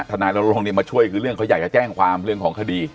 นายรณรงค์มาช่วยคือเรื่องเขาอยากจะแจ้งความเรื่องของคดี